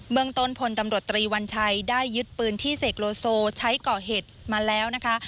เมืองต้นพลตำรวจตรีวัญชัยได้ยึดปืนที่เสกโลโซใช้ก่อเหตุมาแล้วนะคะ